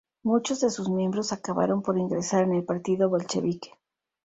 Muchos de sus miembros acabaron por ingresar en el partido bolchevique.